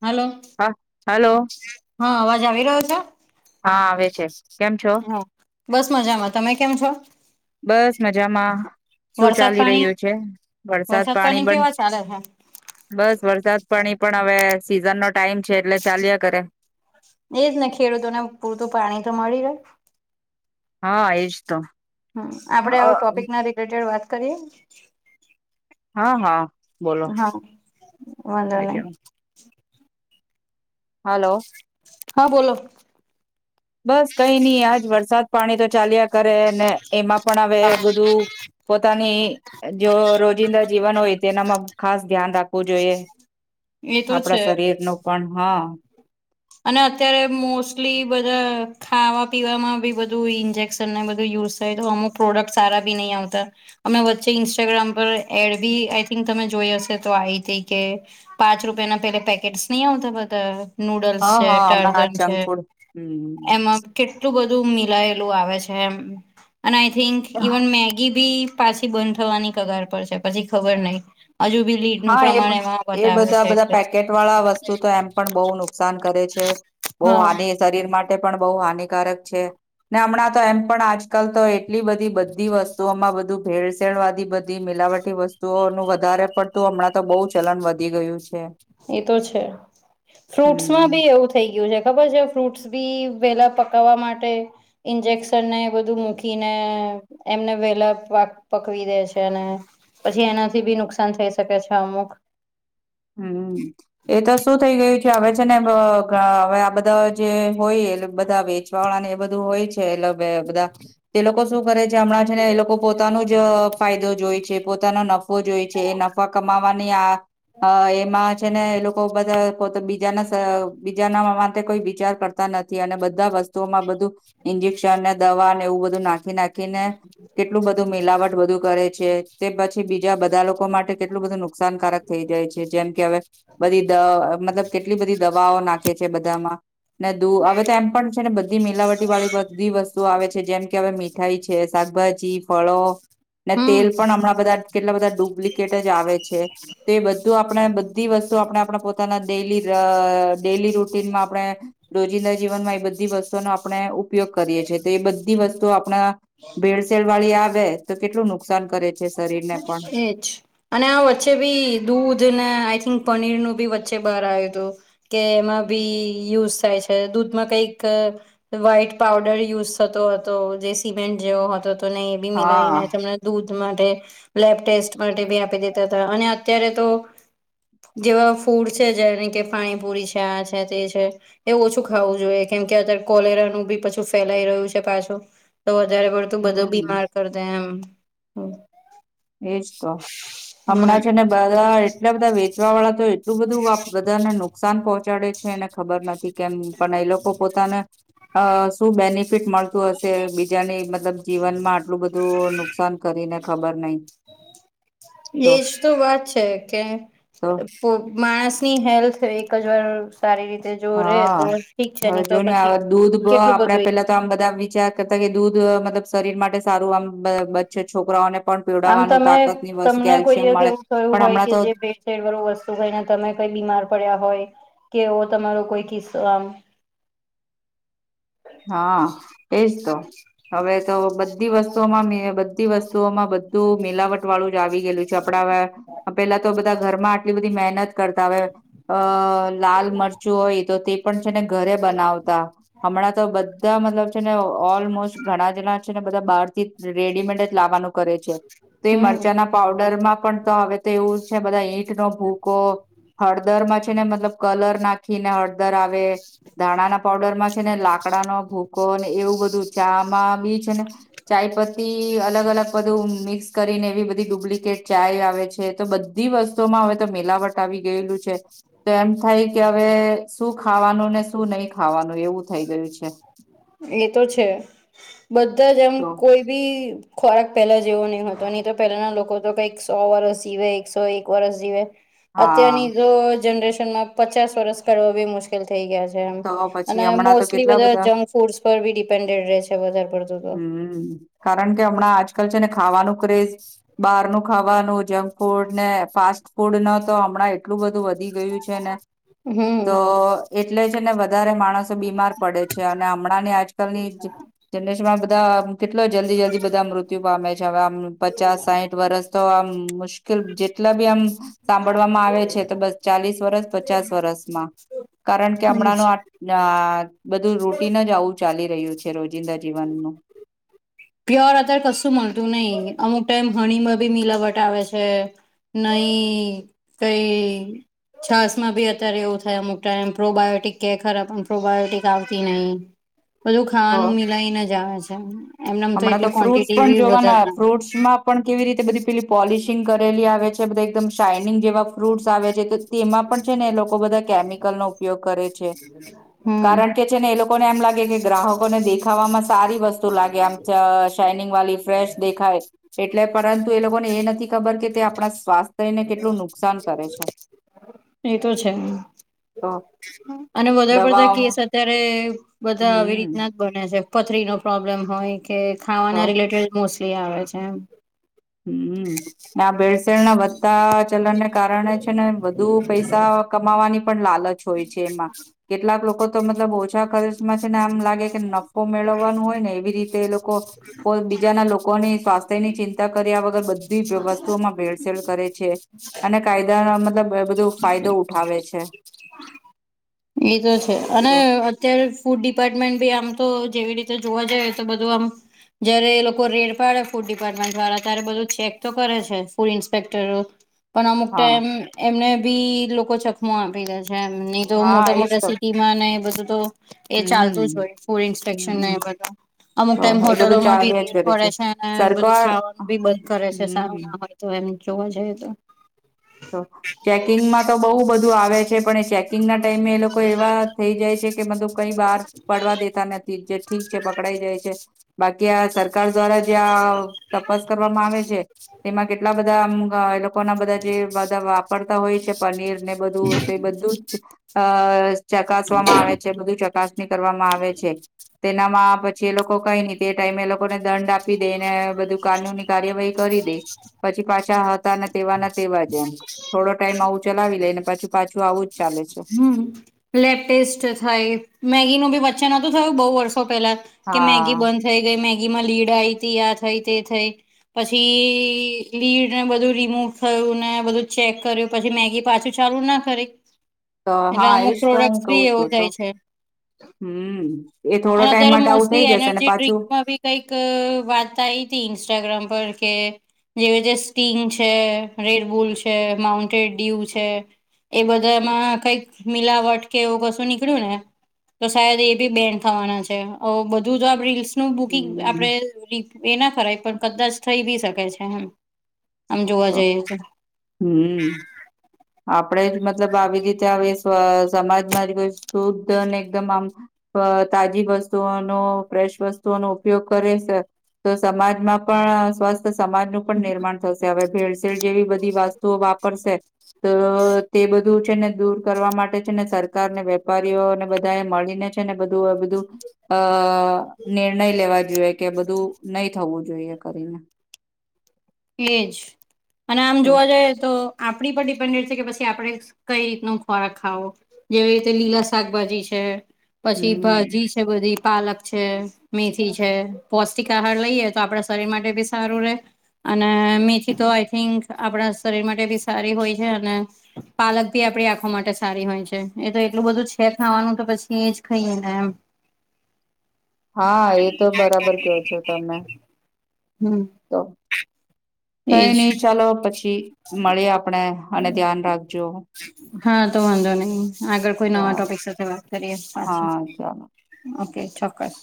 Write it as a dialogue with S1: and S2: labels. S1: Hello.
S2: હા hello.
S1: હા, અવાજ આવી રહ્યો છે?
S2: હા, આવે છે. કેમ છો
S1: હા, બસ મજામાં. તમે કેમ છો?
S2: બસ મજામાં શું
S1: વરસાદ
S2: ચાલી
S1: પાણી
S2: રહ્યું છે? વરસાદ પાણી બન
S1: કેવા ચાલે છે
S2: બસ, વરસાદ પાણી પણ હવે સીઝન નો ટાઈમ છે એટલે ચાલ્યા કરે.
S1: એજ ને ખેડૂતો ને પૂરતું પાણી તો મળી રે.
S2: હા, એજ તો.
S1: હમ, આપડે હવે ટોપિક ના રિલેટેડ વાત કરીએ.
S2: હા, હા. બોલો
S1: હા, વાંઘો નઈ.
S2: બીજું હલો.
S1: હા, બોલો.
S2: બસ, કંઈ ની, આજ વરસાદ-પાણી તો ચાલ્યા કરે ને, એમાં પણ હવે બધું પોતાની જો રોજિંદા જીવન હોય તેનામાં ખાસ ધ્યાન રાખવું જોઈએ.
S1: એ તો
S2: આપડા
S1: છે
S2: શરીરનો પણ, હા.
S1: અને અત્યારે મોસ્ટલી બધાં ખાવા-પીવામાં બી બધું ઇન્જેક્શન ને બધું યુઝ થાય, તો અમુક પ્રોડક્ટ સારા બી નઈ આવતા. અમે વચ્ચે ઇન્સ્ટાગ્રામ પર એડ બી, આઈ થિંક, તમે જોઈ હશે તો આયીતી કે પાંચ રૂપિયાના પેલા પેકેટ્સ નઈ આવતા બધા નૂડલ્સ.
S2: હા
S1: છે
S2: હા હમણાં આ
S1: ટારજન છે
S2: જંક ફૂડ
S1: એમાં કેટલું બધું મિલાયેલું આવે છે એમ અને આઈ થિંક
S2: હમ
S1: ઇવન મેગી બી પાછી બંધ થવાની કગાર પર છે પછી ખબર નઈ હજુ બી લીડનું
S2: હા એ બ-
S1: પ્રમાણ એમાં
S2: એ
S1: બતાવે
S2: બધા
S1: છે
S2: બધા
S1: એટલે.
S2: પેકેટ વાળા વસ્તુ તો એમ પણ બો નુકસાન કરે છે, બો
S1: હા
S2: હાની શરીર માટે પણ બો હાનિકારક છે ને. અમણાં તો એમ પણ આજકાલ તો એટલી બધી બધી વસ્તુઓમાં બધું ભેળસેળ વાળી, બધી મિલાવટી વસ્તુઓનું વધારે પડ તો હમણાં તો બો ચલન વધી ગયું છે.
S1: એતો છે, ફ્રૂટ્સમાં
S2: હમ
S1: બી એવું થઈ ગયું છે, ખબર છે. ફ્રૂટ્સ બી વેલા પકાવવા માટે ઇન્જેક્શનને બધું મૂકીને. એમના વેલા પાક પકવી દે છે ને પછી એનાથી બી નુકસાન થઈ શકે છે અમુક.
S2: હમ, એ તો શું થઇ ગયું અવે છે ને હવે આ બધા જે હોય બધા વેચવાવાળા ને એ બધું હોય છે. એલો બે બધા તે લોકો શુ શું કરે છે હમણાં છે ને એ લોકો પોતાનું જ ફાયદો જોય છે પોતાનો નફો જોય છે એ ન ફા કમાવાની આ હ, એમાં છે ને એ લોકો બધા પો બીજાના બીજાના અમાં તે કોઈ વિચાર કરતા નથી અને બધા વસ્તુઓમાં બધું ઇન્જેક્શન ને દવા એવું બધું નાખી નાખીને કેટલું બધું મિલાવટ બધું કરે છે તે પછી બીજા બધા લોકો માટે કેટલું બધું નુકસાનકારક થઈ જાય છે. જેમ કે હવે બધી દ મતલબ કેટલી બધી દવાઓ નાખે છે બધામાં. ને દુ હવે તો એમ પણ છે ને બધી મિલાવટી વાળી બધી વસ્તુ આવે છે જેમ કે હવે મી થાય છે શાકભાજી, ફળો ને તેલ
S1: હમ
S2: પણ હમણાં બધા કેટલા બધા ડુપ્લિકેટ જ આવે છે તે બધ આપણે બધી વસ્તુ આપણે આપણે પોતાના ડેલી અ ડેલી રૂટીનમાં આપણે. રોજિંદા જીવનમાં એ બધી વસ્તુઓનો આપણે. ઉપયોગ કરીએ છી તો એ બધી વસ્તુ આપણા ભેળસેળ વાળી આવે તો કેટલું નુકસાન કરે છે શરીરને પણ
S1: એ જ અને આ વચ્ચે બી દૂધ ને આઈ થિંક પનીર નું બી વચ્ચે બહાર આવ્યું હતું કે એમાં બી યુઝ થાય છે દૂધમાં કઈક વ્હાઈટ પઉડર યુઝ થતો હતો જે સિમેન્ટ જેવો હતો તો નહીં એ બી
S2: હા.
S1: મિલાવીને તમને દૂધ માટે લેબ ટેસ્ટ માટે બી આપી દેતા હતા અને અત્યારે તો જેવા ફૂડ છે જેને કે પાણીપુરી છે આ છે તે છે એ ઓછું ખાવું જોઈએ કેમ કે અત્યારે કોલેરાનું બી પછું ફેલાઈ રહ્યું છે પાછું તો વધારે બધો
S2: હમ
S1: બીમાર કર દે એમ
S2: એજ તો હમણાં
S1: હમ
S2: છે ને બધા એટલા બધા વેચવા વાળા તો એટલું બધું બધાને નુકસાન પહોંચાડે છે એને ખબર નથી તી કેમ પણ એ લોકો પોતાને શું બેનિફિટ મળ તું હશે બીજાને મતલબ જીવન માં આટલું બધું નુકસાન કરીને ખબર નઈ
S1: એજ તો વાત છે કે
S2: તો
S1: પો માણસની હેલ્થ એક જ વા સારી રીતે જો રે
S2: હા
S1: તો ઠીક છે
S2: હવે
S1: નહી
S2: જો
S1: તો
S2: ન હ
S1: પછી
S2: દૂધ
S1: કેટલું
S2: આપણેે
S1: બધું
S2: પેલા તો આમ બધા વિચાર કરતા કે દૂધ મતલબ શરીર માટે સારું આમ બ બચ છોકરાઓને પણ
S1: આમ
S2: પીવડાવવાનું
S1: તમે
S2: તાકત ની વસ્તુ
S1: તમને કોઈ
S2: કેલ્શિયમ
S1: દિવસ
S2: મળે
S1: એવું કયું
S2: પણ
S1: હોય
S2: હમણાં
S1: કે
S2: તો
S1: જે પેવરો વસ્તુ કઈને તમે કઈ બીમાર પડ્યા હોય કે એવો તમારો કોઈ કિસ્સો આમ
S2: હા એજ તો. હવે તો બધી વસ્તુઓમાં મી બધી વસ્તુઓમાં બધું મિલાવટ. વાળું જ આવી ગયેલું છે આપડા પેલા તો બધા ઘરમાં આટલી બધી મહેનત કરતા હવે. અ લાલ મરચું હોય તો તે પણ છે ને ઘરે બનાવતા હમણાં તો બધા મતલબ છે ને ઓલમોસ્ટ ઘણા જણા છે ને બધા બહાર થી રેડીમેડ જ લાવવાનું કરે છે. તે
S1: હમ
S2: મરચાંના પાવડરમાં પણ તો હવે તો એવું છે બધા ઈંટ નો ભૂકો હળદરમાં છે ને મતલબ કલર નાખી ને હળદર આવે ધાણા ના પાવડરમાં છે ને લાકડાનો ભૂકો ને એવું બધું ચા મા બી છે ને ચાયપત્તી અલગ અલગ બધું મિક્સ કરીને એવી બધી ડુપ્લિકેટ ચાય આવે છે તો બ બધી વસ્તુમાં હવે તો મીલાવટ આવી ગયેલું છે તો એમ થાય કે હવે શું ખાવાનું ને શું નહી ખાવાનું એવું થઈ ગયું છે
S1: એ તો છે બધા જ એમ
S2: તો
S1: કોઈ બી ખોરાક પહેલા જેવો નહી હતો નહી તો પેલાના લોકો તો કઈક સો વર્ષ જીવે. એકસો એક વરસ જીવે.
S2: હા
S1: અત્યારની જો જનરેશન માં પચાસ વરસ કરવ બી મુશ્કેલ થઈ ગયા છે.
S2: તો પછી હમણાં તો
S1: મોસ્ટલી
S2: કેટલા
S1: બધા જંક ફૂડ પર બી ડિપેન્ડેડ છે વધારે પડતા.
S2: હમ કારણ કે હમણાં આજકાલ છે ને ખાવાનું ક્રેઝ બહારનું ખાવાનું જંક ફૂડ ને ફાસ્ટ ફૂડ ન તો હમણાં એટલું બધું વધી ગયું છે ને.
S1: હમ
S2: તો એટલે છે ને વધારે માણસ બીમાર પડે છે અને હમણાં ની આજકાલની જનરેશન માં બધા કેટલો જલ્દી-જલ્દી. બધા મૃત્યુ પામે છે હવે આમ પચાસ સાહીઠ વર્સ તો આમ મુશ્કેલ જેટલા બી આમ સાંભળવામાં આવે છે તો બસ ચાલીસ વરસ પચાસ વરસમાં. કારણ કે
S1: હમ
S2: હમણાંનું આ બધું રૂટીન જ આવું ચાલી રહ્યું છે રોજ. જિંદા જીવનનું.
S1: પ્યોર અત્યારે કશું મળતું નહિ અમુક ટાઈમ હણીમાં બી મિલાવટ આવે છે. નહી તે છાસ માં બી અત્યારે એવું થાય અમુક ટાઇમ પ્રોબાયોટિક કે ખરા પણ પ્રોબાયોટિક આવતી નહી. બધું
S2: તો
S1: ખાવાનું મિલાઈને જ આવે છે. એમનેમ
S2: હમણાં તો
S1: એટલી
S2: ફ્રૂટ્સ
S1: ક્વોન્ટિટી
S2: પણ
S1: બી
S2: જોવાના
S1: વધારે ના
S2: ફ્રૂટ્સમાં પણ કેવી રીતે બધી પેલી પોલિશિંગ કરેલી આવે છે બધ એકદમ શાઇનિંગ જેવા ફ્રૂટ્સ આવે છે. તેમાં પણ છે ને એ લોકો બધા કેમિકલનો ઉપયોગ કરે છે કારણ
S1: હમ
S2: કે છે ને એ લોકોને એમ લાગે કે ગ્રાહકો ને દેખાવામાં સારી વસ્તુ લાગે આમ ચ શાઇનિંગ વાલી ફ્રેશ દેખાાય. એટલે પરંતુ એ લોકોને એ નથી ખબર કે તે આપણા સ્વાસ્થ્ય લને કેટલું નુકસાન કરે છે.
S1: એતો છે.
S2: તો.
S1: અને વધારે પડતા
S2: દવાઓ
S1: કેસ અત્યારે બધા આવી
S2: હમ
S1: રીતના બને છે પથરી નો પ્રોબ્લેમ હોય કે
S2: તો
S1: ખાવાના રિલેટેડ મોસ્ટલી આવે છે એમ.
S2: હમ્મ આ ભેળસેળ ના વધતા ચલનને કારણે છે ને વધુ પૈસા કમાવાની પણ લાલચ હોય છે એમાં કેટલાક લોકો તો મતલબ ઓછા ખર્ચમાં છે ને આમ લાગે કે નફો મેળવવાનું હોય ને એવી રીતે એ લોકો કોઈ બીજાના લોકોની સ્વાસ્થ્ય ની ચિંતા ચિંતા કર્યા વગર બધી વસ્તુઓમાં ભેળસેળ કરે છે. અને કાયદાનો મતલબ બધો ફાયદો ઉઠાવે છે.
S1: એતો છે અને
S2: તો
S1: અત્યારે ફૂડ ડિપાર્ટમેન્ટ ભી આમ તો જેવી રીતે જોવા જાય તો બધું આમ જયારે એ લોકો રેડ પાડે ફૂડ ડિપાર્ટમેન્ટ વાળા ત્યારે બધું ચેક તો કરે છે ફૂડ ઇન્સ્પેક્ટરો. પણ અમુક
S2: હા
S1: ટાઈમ એમ એમને બી લોકો ચકમો આપી દે છે એમ નહી તો
S2: હા
S1: મોટા
S2: એજ
S1: મોટા
S2: તો
S1: સી ખીમા ને એ બધું તો એ ચાલતું જ
S2: હમ
S1: હોય ફૂડ ઇન્સ્પેક્શન ને
S2: હમ
S1: બધું. અમુક
S2: તો
S1: ટાઈમ
S2: એ બધું
S1: હોટલોમાં બી
S2: ચાલ્યા જ
S1: રેડ
S2: કરે
S1: પડે છે અને બધું
S2: સરકાર
S1: ખાવાનું બી બંધ કરે છે
S2: હમ
S1: સારું ના હોય. તો એમ જોવા જઈએ તો.
S2: તો ચેકિંગમાં તો બહુ બધું આવે છે પણ એ ના ટાઈમે એ લોકો એવા થઈ જાય છે. કે મતલબ કઈ બાર પડવા દેતા નથી જે ઠીક છે પકડાઈ જાય છે. બાકી આ સરકાર દ્વારા જે આ તપાસ કરવામાં આવે છે, તેમાં કેટલા બધા આ એ લોકો ના બધા જે બધા વાપરતા હોય છે પનીર ને બધું તે બધું જ અ ચકાસવામાં આવે છે બધું ચકાસણી કરવામાં આવે છે. તેનામાં પછી એ લોકો કઈ નહી તે એ ટાઈમે એ લોકોને દંડ આપી દેને બધું કાનૂની કાર્યવાહી કરી દે પછી પાછા હતા ને તેવા ના તેવા જ. જેમ થોડો ટાઈમ આવું ચલાવી લેય ને પાછું પાછું આવું જ ચાલે છે.
S1: લેટેસ્ટ થાય મેગીનું બી વચન નતું થયું બો વર્ષો પહેલા કે મેગી
S2: હા
S1: બં થઈ ગઈ મેગીમાં લીડ આયીઈતી આ થઈ તે થઈ પછી લીડને બધું રિમૂવ થયું ને બધું ચેક કર્યું પછી મેગી પાછું ચારું ના કરી
S2: તો
S1: એટલે
S2: હા
S1: અમુક
S2: એજ તો હું
S1: પ્રોડક્ટ
S2: કઉ
S1: બી
S2: છું
S1: એવું
S2: તો
S1: થાય છે
S2: હમ એ થોડો ટાઈમ માટે આવું થઇ જશે ને પાછું
S1: અબી કઈક વાત આઈ તી ઇન્સ્ટાગ્રામ પર કે જેવી જે સ્ટીંગ છે, રેડબુલ છે, માઉન્ટેન ડ્યુ છે. એ બધામાં કઈક મિલાવટ એવું કશું નીકળ્યું ને તો સાયદ એ બી બેન થવાના છે, બધું જ [unintelligible] નું બુકિંગ આપણે
S2: હમ
S1: એ ના કરાય પણ કદાચ થઈ બી શકે છે, એમ આમ જોવા જઈએ તો
S2: આપણેે જ મતલબ આવી રીતે [unintelligible] સમાજમાં જે કોઈ શુદ્ધ અને એકદમ આમ અ તાજી વસ્તુઓનો ફ્રેશ વસ્તુઓનો ઉપયોગ કરે છે. તો સમાજમાં પણ સ્વસ્થ સમાજનું પણ નિર્માણ થશે હવે ભેળસેળ જેવી બધી વસ્તુઓ વાપરશે તો તે બધું છે, ને દૂર કરવા માટે છે, ને સરકારને વેપારીઓને બધાએ મળીને જ ને બધું અ બ ધુ અ નિર્ણય લેવા જોઈએ કે બધું નહી થવું જોઈએ કરીને
S1: એજ અને આમ
S2: તો
S1: જોવા જઈએ તો આપણી પર ડિપેન્ડે છે, કે પછી આપડે કઈ રીત ન ખોરાક ખાવો જેવી રીતે લીલા શાકભાજી છે, પછી
S2: હમ
S1: ભાજી બધી પાલક છે, મેથી છે, પૌષ્ટિક આહાર લઈએ તો આપડા શરીર માટે બી સારું રે અને મેથી તો આઈ થિંક આપણા શરીર માટે બી સારી હોય છે, અને પાલક ભી આપડી આંખો માટે સારી હોય છે, એ તો એટલું બધું છે, ખાવાનું તો પછી એજ ખાઈએ ને એમ
S2: હા એ તો બરાબર કયો છો તમે
S1: હમ.
S2: તો કઈ
S1: એજ
S2: ની ચાલો પછી મળી આપણે અને ધ્યાન રાખજો
S1: હા તો વાંધો નહી આગળ કોઈ નવા
S2: ચાલો,
S1: ટોપિક સાથે વાત કરીએ પાછી
S2: હા ચાલો.
S1: ઓકે ચોક્કસ